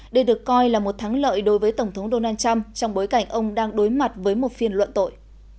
đây được coi là một thắng lợi đối với tổng thống donald trump trong bối cảnh ông đang đối mặt với một phiên luận tội